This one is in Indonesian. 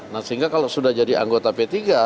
nah sehingga kalau sudah jadi anggota p tiga